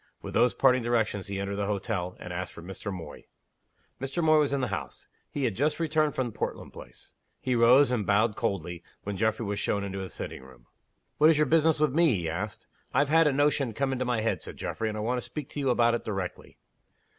With those parting directions he entered the hotel, and asked for Mr. Moy. Mr. Moy was in the house; he had just returned from Portland Place. He rose, and bowed coldly, when Geoffrey was shown into his sitting room. "What is your business with me?" he asked. "I've had a notion come into my head," said Geoffrey. "And I want to speak to you about it directly."